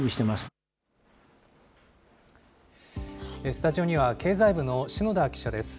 スタジオには、経済部の篠田記者です。